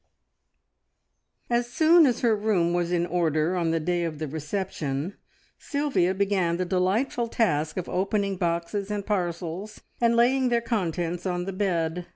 As soon as her room was in order on the day of the reception, Sylvia began the delightful task of opening boxes and parcels, and laying their contents on the bed.